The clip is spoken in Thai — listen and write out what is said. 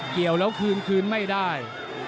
เกี่ยวแล้วคืนคืนไม่ได้